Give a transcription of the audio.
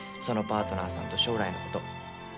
そのパートナーさんと将来のこと。